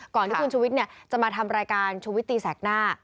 ก่อนที่คุณชุวิตจะมาทำรายการชุวิตตีแสกหน้า